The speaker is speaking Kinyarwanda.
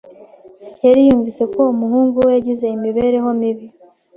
yari yarumvise ko umuhungu we yagize imibereho mibi